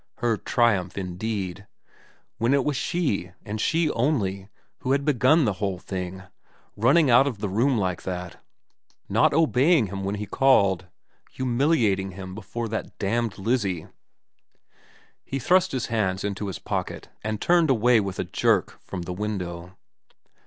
Her triumph, indeed when it was she, and she only, who had begun the whole thing, running out of the room like that, not obeying him when he called, humiliating him before that damned Lizzie. ... He thrust his hands into his pockets and turned away with a jerk from the window.